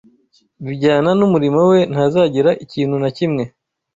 bijyana n’umurimo we ntazagira ikintu na kimwe